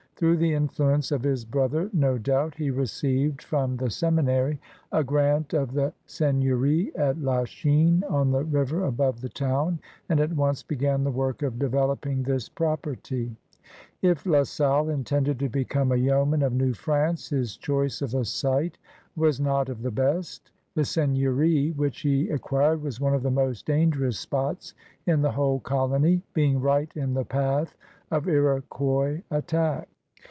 Through the influence of his brother, no doubt, he received from the Seminary a grant 100 LA SALLE AND THE VOYAGEUBS 101 of the seigneury at Lachine on the river above the town, and at once began the work of developing this property. If La Salle intended to become a yeoman of New France, his choice of a site was not of the best. The seigneury which he acquired was one of the most dangerous spots in the whole colony, being right in the path of Lx>quois attack.